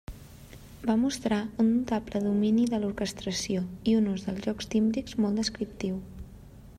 Va mostrar un notable domini de l'orquestració i un ús dels jocs tímbrics molt descriptiu.